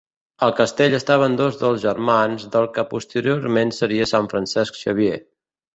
Al castell estaven dos dels germans del que posteriorment seria Sant Francesc Xavier.